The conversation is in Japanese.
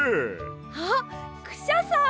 あっクシャさん！